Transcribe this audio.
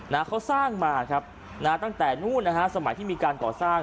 นะเขาสร้างมาครับนะฮะตั้งแต่นู่นนะฮะสมัยที่มีการก่อสร้าง